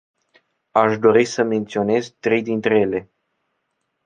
Aș dori să menționez trei dintre ele.